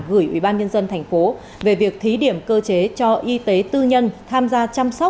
gửi ủy ban nhân dân thành phố về việc thí điểm cơ chế cho y tế tư nhân tham gia chăm sóc